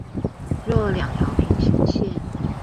若兩條平行線